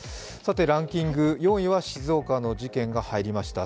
ランキング、４位は、静岡の事件が入りました。